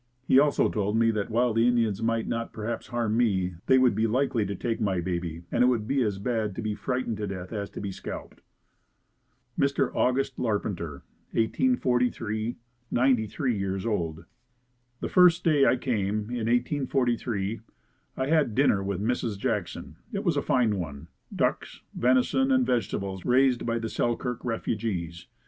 He also told me that while the Indians might not perhaps harm me they would be likely to take my baby and it would be as bad to be frightened to death as to be scalped. Mr. August Larpenteur 1843, Ninety three years old. The first day I came, in 1843, I had dinner with Mrs. Jackson. It was a fine one ducks, venison, and vegetables raised by the Selkirk refugees.